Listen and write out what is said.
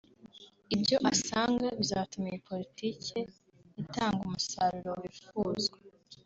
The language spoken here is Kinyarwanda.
ibyo asanga bizatuma iyi politike itanga umusaruro wifuzwa